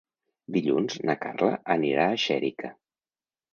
Dilluns na Carla anirà a Xèrica.